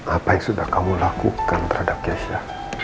apa yang sudah kamu lakukan terhadap yesha